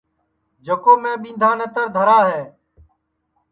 جکو میں ٻِندھا نتر دھرا ہے